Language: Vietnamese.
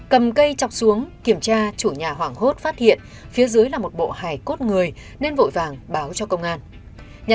cầm cây chọc xuống kiểm tra chủ nhà hoảng hốt phát hiện phía dưới là một bộ hải cốt người nên vội vàng báo cho công an